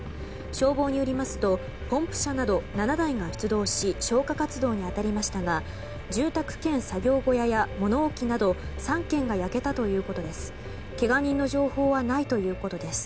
消防によりますとポンプ車など７台が出動し消火活動に当たりましたが住宅兼作業小屋や物置など３軒が焼けたということです。